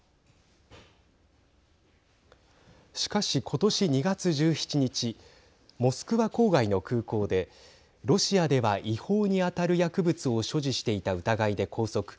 しかし、ことし２月１７日モスクワ郊外の空港でロシアでは違法に当たる薬物を所持していた疑いで拘束。